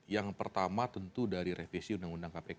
yang pertama tentu dari revisi undang undang kpk